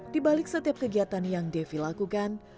di balik setiap kegiatan yang devi lakukan